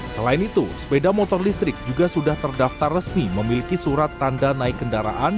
selain itu sepeda motor listrik juga sudah terdaftar resmi memiliki surat tanda naik kendaraan